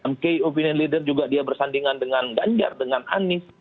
mk opinion leader juga dia bersandingan dengan ganjar dengan anies